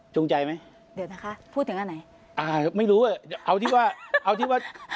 จูงใจไหมเดี๋ยวนะคะพูดถึงอันไหนอ่าไม่รู้ว่าเอาที่ว่าเอาที่ว่า